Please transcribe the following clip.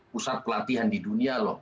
pusat pelatihan di dunia loh